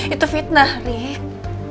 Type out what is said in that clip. itu fitnah rick